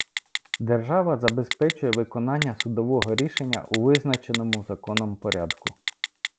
Держава забезпечує виконання судового рішення у визначеному законом порядку.